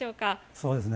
そうですね。